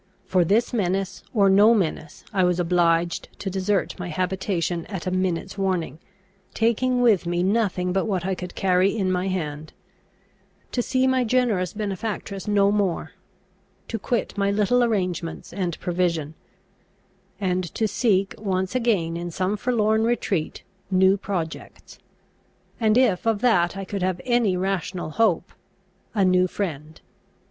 For this menace or no menace, I was obliged to desert my habitation at a minute's warning, taking with me nothing but what I could carry in my hand; to see my generous benefactress no more; to quit my little arrangements and provision; and to seek once again, in some forlorn retreat, new projects, and, if of that I could have any rational hope, a new friend.